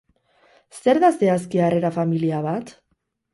Zer da zehazki harrera familia bat?